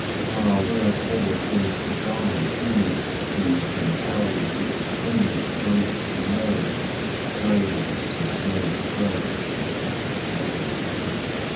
Ah! wherefore fears to die He, who compell'd each poignant grief to know, Drains to its lowest dregs the cup of woe?